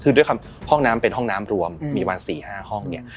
คือด้วยความห้องน้ำเป็นห้องน้ำรวมมีประมาณ๔๕ห้องเนี่ย